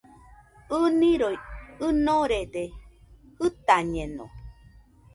ɨniroi ɨnorede, jɨtañeno